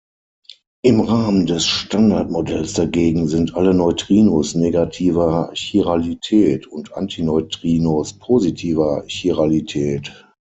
Im Rahmen des Standardmodells dagegen sind alle Neutrinos negativer Chiralität und Antineutrinos positiver Chiralität.